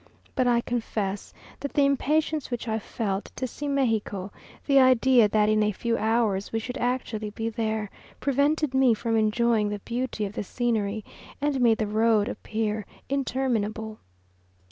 But I confess that the impatience which I felt to see Mexico, the idea that in a few hours we should actually be there, prevented me from enjoying the beauty of the scenery, and made the road appear interminable.